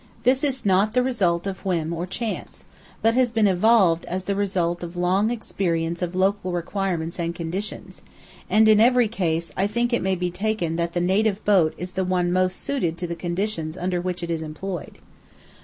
This is not the result of whim or chance, but has been evolved as the result of long experience of local requirements and conditions, and in every case I think it may be taken that the native boat is the one most suited to the conditions under which it is employed.